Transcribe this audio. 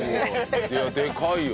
でかいよ！